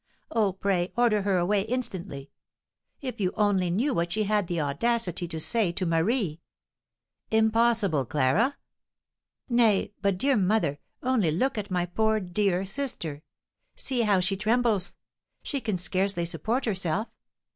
Oh, pray order her away instantly! If you only knew what she had the audacity to say to Marie!" "Impossible, Clara!" "Nay, but, dear mother, only look at my poor dear sister! See how she trembles! She can scarcely support herself.